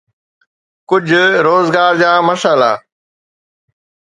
ڪجهه روزگار جا مسئلا.